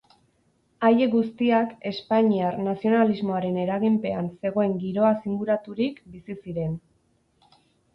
Haiek guztiak espainiar nazionalismoaren eraginpean zegoen giroaz inguraturik bizi ziren.